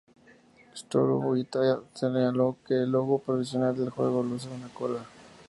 Satoru Iwata señaló que el logo provisional del juego luce una cola.